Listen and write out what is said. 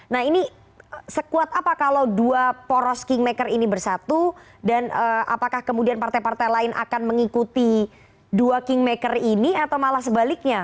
nah ini sekuat apa kalau dua poros kingmaker ini bersatu dan apakah kemudian partai partai lain akan mengikuti dua kingmaker ini atau malah sebaliknya